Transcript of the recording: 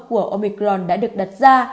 của omicron đã được đặt ra